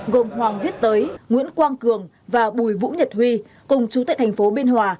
gồm hoàng viết tới nguyễn quang cường và bùi vũ nhật huy cùng chủ tịch thành phố biên hòa